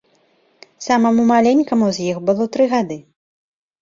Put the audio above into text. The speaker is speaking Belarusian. Самаму маленькаму з іх было тры гады.